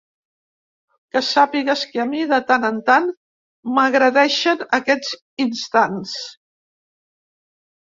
Que sàpigues que a mi, de tant en tant, m’agredeixen aquests instants.